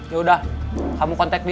ya udah kamu kontak